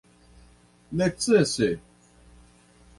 necese